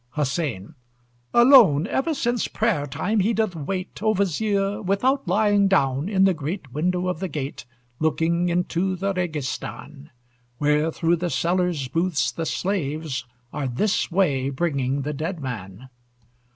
HUSSEIN Alone, Ever since prayer time, he doth wait, O Vizier! without lying down, In the great window of the gate, Looking into the Registàn, Where through the sellers' booths the slaves Are this way bringing the dead man.